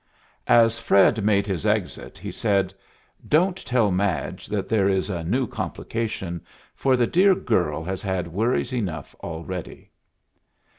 As Fred made his exit he said, "Don't tell Madge that there is a new complication, for the dear girl has had worries enough already."